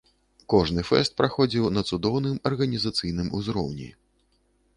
Кожны фэст праходзіў на цудоўным арганізацыйным узроўні.